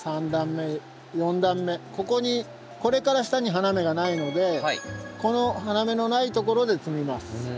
ここにこれから下に花芽がないのでこの花芽のないところで摘みます。